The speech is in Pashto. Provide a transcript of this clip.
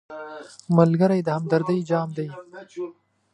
ملګری د همدردۍ جام دی